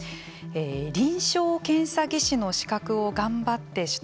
臨床検査技師の資格を頑張って取得。